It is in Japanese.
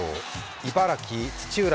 茨城・土浦